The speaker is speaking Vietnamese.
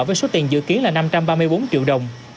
với số tiền dự kiến là năm trăm ba mươi bốn triệu đồng